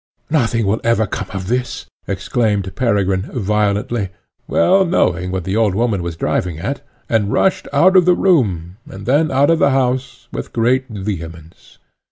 "Nothing will ever come of this," exclaimed Peregrine violently, well knowing what the old woman was driving at, and rushed out of the room, and then out of the house, with great vehemence.